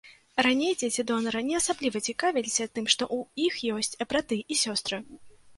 Раней дзеці донара не асабліва цікавіліся тым, што ў іх ёсць браты і сёстры.